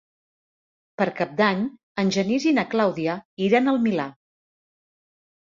Per Cap d'Any en Genís i na Clàudia iran al Milà.